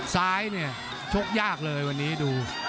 ซ้ายเนี่ยชกยากเลยวันนี้ดู